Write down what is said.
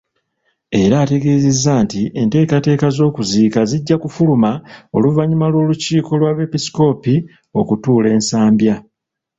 Era ategezezza nti enteekateeka z'okuziika zijja kufuluma oluvannyuma lw'olukiiko lw'abepiskoopi okutuula e Nsambya.